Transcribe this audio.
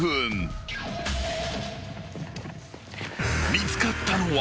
［見つかったのは］